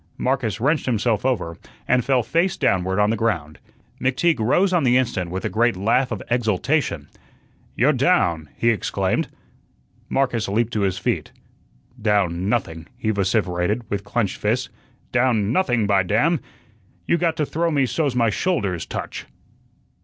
Marcus wrenched himself over and fell face downward on the ground. McTeague rose on the instant with a great laugh of exultation. "You're down!" he exclaimed. Marcus leaped to his feet. "Down nothing," he vociferated, with clenched fists. "Down nothing, by damn! You got to throw me so's my shoulders touch."